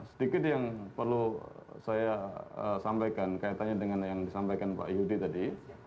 sedikit yang perlu saya sampaikan kaitannya dengan yang disampaikan pak yudi tadi